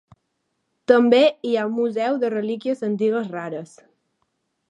També hi ha un museu de relíquies antigues rares.